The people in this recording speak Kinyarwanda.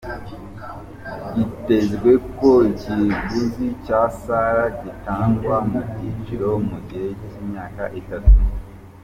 Byitezwe ko ikiguzi cya Sala gitangwa mu byiciro mu gihe cy'imyaka itatu.